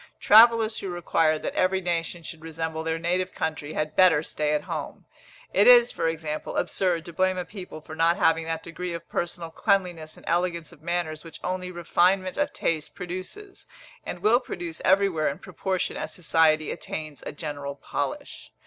Travellers who require that every nation should resemble their native country, had better stay at home. It is, for example, absurd to blame a people for not having that degree of personal cleanliness and elegance of manners which only refinement of taste produces, and will produce everywhere in proportion as society attains a general polish.